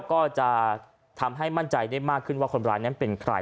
ก็จะทำให้มั่นใจได้มากขึ้นว่าคนร้ายนั้นเป็นใคร